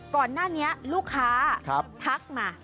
ก่อนหน้านี้ลูกค้าทักมา